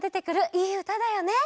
いいうただよね。